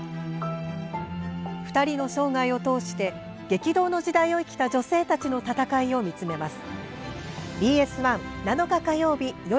２人の生涯を通して激動の時代を生きた女性たちの闘いを見つめます。